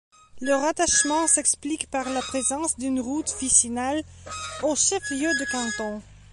Le rattachement s'explique par la présence d'une route vicinal au chef-lieu de canton.